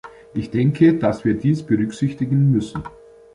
Ich denke, dass wir dies berücksichtigen müssen.